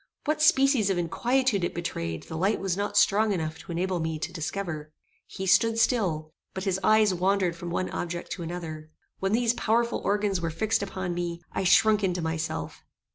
What species of inquietude it betrayed, the light was not strong enough to enable me to discover. He stood still; but his eyes wandered from one object to another. When these powerful organs were fixed upon me, I shrunk into myself.